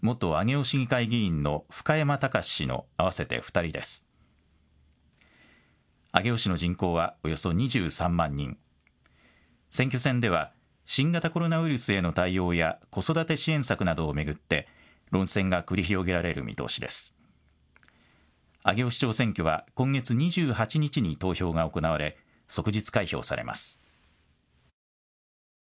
上尾市長選挙は今月２８日に投票が行われ即日開票されます。